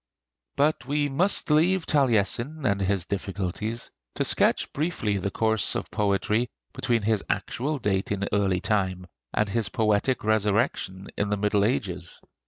But we must leave Taliesin and his difficulties, to sketch briefly the course of poetry between his actual date in early time and his poetic resurrection in the Middle Ages.